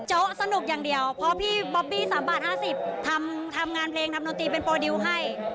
สนุกอย่างเดียวพอพี่บ๊อบบี้๓บาท๕๐ทำงานเพลงทำดนตรีเป็นโปรดิวให้